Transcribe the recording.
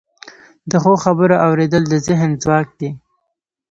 د ښو خبرو اوریدل د ذهن ځواک دی.